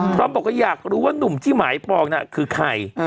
พร้อมบอกว่าอยากรู้ว่านุ่มที่หมายปองน่ะคือใคร